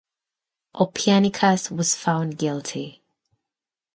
Oppianicus was found guilty.